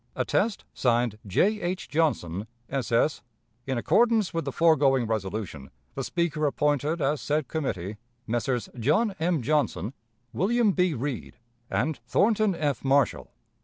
"Attest: (Signed) J. H. Johnson, S. S. "In accordance with the foregoing resolution, the Speaker appointed as said committee Messrs. John M. Johnson, William B. Read, and Thornton F. Marshall.